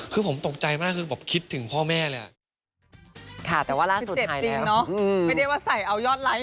คือผมตกใจมากคือแบบคิดถึงพ่อแม่เลย